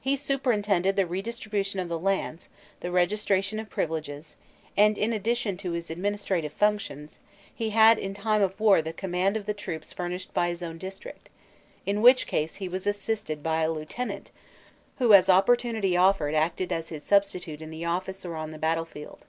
He superintended the redistribution of the lands, the registration of privileges, and in addition to his administrative functions, he had in time of war the command of the troops furnished by his own district; in which case he was assisted by a "lieutenant," who as opportunity offered acted as his substitute in the office or on the battle field.